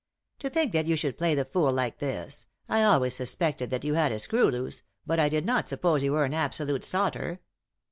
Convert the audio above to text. " To think that you should play the fool like this. I always suspected that you had a screw loose, but I did not suppose you were an absolute sotter.